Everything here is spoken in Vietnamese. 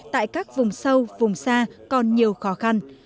tại các vùng sâu vùng xa còn nhiều khó khăn